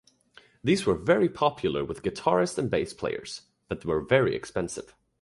These were very popular with guitarists and bass players, but were very expensive.